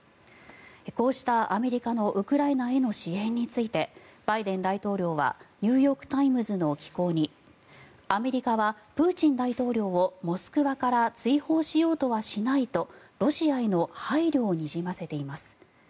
こうしたアメリカのウクライナへの支援についてバイデン大統領はニューヨーク・タイムズの寄稿にアメリカはプーチン大統領をモスクワから追放しようとはしないとロシアへの配慮をにじませています。